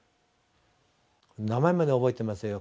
名前まで覚えてますよ。